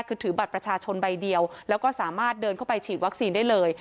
คือถือบัตรประชาชนใบเดียวแล้วก็สามารถเดินเข้าไปฉีดวัคซีนได้เลย